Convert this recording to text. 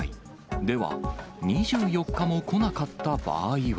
では、２４日も来なかった場合は。